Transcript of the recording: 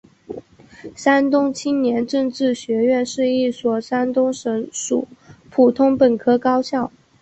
山东青年政治学院是一所山东省属普通本科高校。